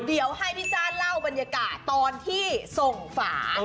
เดี๋ยวให้พี่จ้าเล่าบรรยากาศตอนที่ส่งฝา